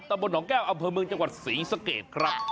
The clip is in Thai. ตะบนของแก้วอำเภอเมืองจังหวัดสิงห์สะเกดครับ